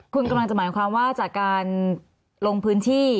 คุณกำลังจะหมายความว่าจากการลงพื้นที่